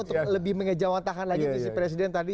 untuk lebih mengejawatakan lagi visi presiden tadi